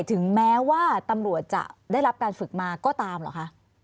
ถึงแม้ว่าตำรวจจะได้รับการฝึกมาก็ตามเหรอคะ